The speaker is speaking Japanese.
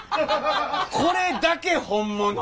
これだけ本物。